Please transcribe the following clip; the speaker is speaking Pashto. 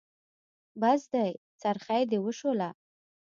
بس دی؛ څرخی دې وشوله.